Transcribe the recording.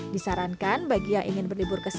disarankan bagi yang ingin berlibur penduduk